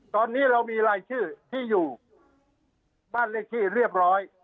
ตอนนี้เรามีรายชื่อที่อยู่บ้านเลขที่เรียบร้อย